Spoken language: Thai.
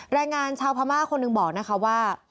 แรงงานชาวพม่าคนหนึ่งบอกนะคะว่า